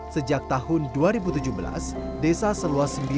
sejak tahun dua ribu tujuh belas desa seluas sembilan enam km persegi